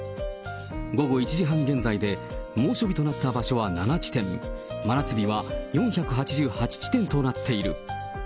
午後１時半現在で猛暑日となった場所は７地点、真夏日は４８８地点となっている。